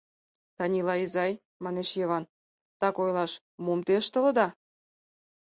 — Танила изай, — манеш Йыван, — так ойлаш, мом те ыштылыда?